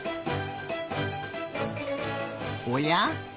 おや？